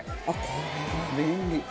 これは便利。